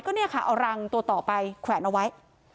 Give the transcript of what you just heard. ก็เนี่ยค่ะเอารังตัวต่อไปแขวนเอาไว้